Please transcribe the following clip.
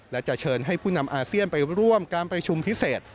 และจะเชิญให้ผู้นำอาเซียนไปร่วมการประชุมพิเศษ